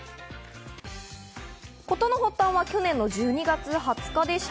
事の発端は去年の１２月２０日でした。